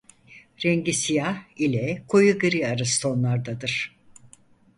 Rengi siyah ile koyu gri arası tonlardadır.